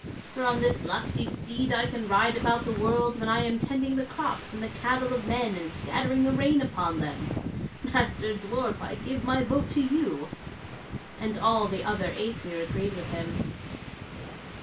For on this lusty steed I can ride about the world when I am tending the crops and the cattle of men and scattering the rain upon them. Master dwarf, I give my vote to you." And all the other Æsir agreed with him.